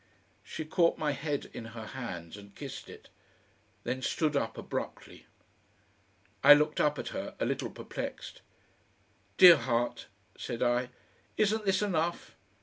She caught my head in her hands and kissed it, then stood up abruptly. I looked up at her, a little perplexed. "Dear heart," said I, "isn't this enough?